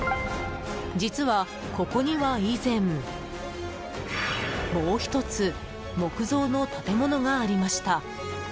実は、ここには以前もう１つ木造の建物がありました。